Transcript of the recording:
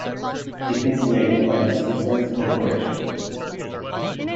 It is made by the Sysmex Corporation.